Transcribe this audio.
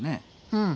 うん。